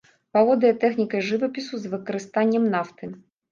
Валодае тэхнікай жывапісу з выкарыстаннем нафты.